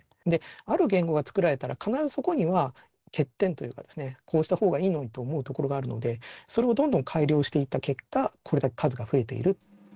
ある言語が作られたら必ずそこには欠点というかですねこうした方がいいのにと思うところがあるのでそれをどんどん改良していった結果これだけ数が増えている。